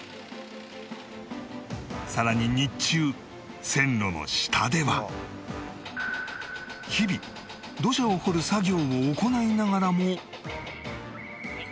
さらに日中日々土砂を掘る作業を行いながらも